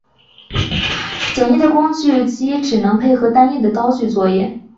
简易的工具机只能配合单一刀具作业。